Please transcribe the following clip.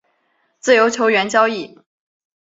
自由球员交易